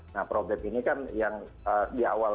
nah problem ini kan yang di awal kontrak itu kan sudah dikawal